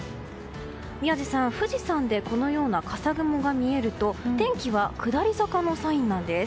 宮司さん、富士山でこのような笠雲が見えると天気は下り坂のサインなんです。